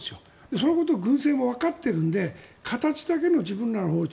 そのことを軍政もわかっているので形だけの自分らの法律